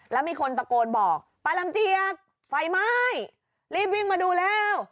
แล้วมีคนตะโกนบอกป้าลำเจียกไฟไหม้รีบวิ่งมาดูแล้ว